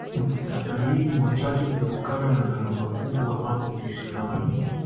watalii ni wachache kutokana na gharama kubwa hapo kisiwani